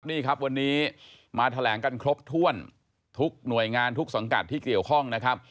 นี่ครับวันนี้มาแถลงกันครบถ้วนทุกหน่วยงานทุกสังกัดที่เกี่ยวข้องนะครับ